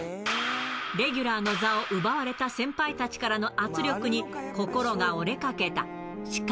レギュラーの座を奪われた先輩たちからの圧力に心が折れかけた。